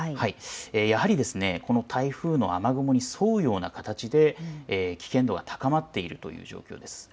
やはり、台風の雨雲に沿うような形で危険度が高まっているという状況です。